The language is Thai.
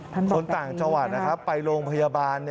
คนต่างจังหวัดนะครับไปโรงพยาบาล